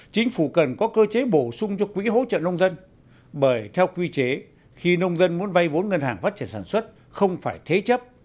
chính phủ cần có cơ chế bổ sung cho quỹ hỗ trợ nông dân bởi theo quy chế khi nông dân muốn vay vốn ngân hàng phát triển sản xuất không phải thế chấp